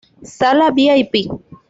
Sala Vip.